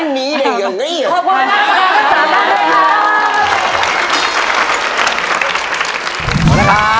รับมื้อได้หรือ